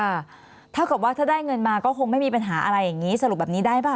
เท่ากับว่าถ้าได้เงินมาก็คงไม่มีปัญหาอะไรอย่างนี้สรุปแบบนี้ได้ป่